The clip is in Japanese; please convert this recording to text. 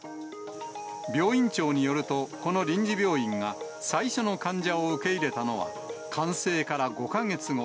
病院長によると、この臨時病院が最初の患者を受け入れたのは、完成から５か月後。